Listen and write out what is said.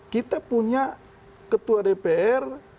kita punya ketua dpr